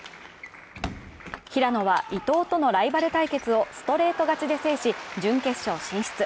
平野は伊藤とのライバル対決をストレート勝ちで制し、準決勝進出。